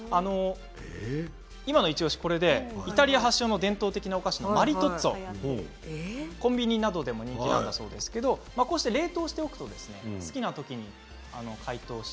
今のイチおしはイタリア発祥の伝統的なお菓子マリトッツォコンビニなどでも人気ですけれど冷凍しておくと好きなときに解凍して。